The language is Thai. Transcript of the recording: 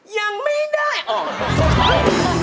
ยังไม่ได้อ๋อขอโทษ